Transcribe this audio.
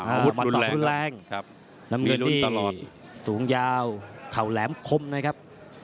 อ่ามัดสองรุนแรงครับครับน้ำเงินที่มีรุนตลอดสูงยาวเข่าแหลมคมนะครับ